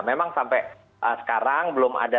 memang sampai sekarang belum ada